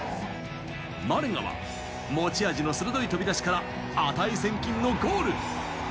マレガは持ち味の鋭い飛び出しから値千金のゴール。